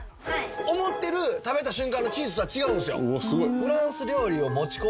思ってる食べた瞬間のチーズとは違うんですよ。